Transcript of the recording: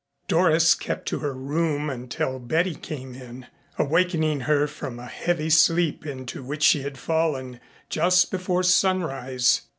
Doris kept to her room until Betty came in, awakening her from a heavy sleep into which she had fallen just before sunrise.